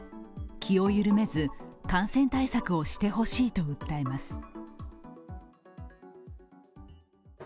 気を緩めず、感染対策をしてほししいと訴えます。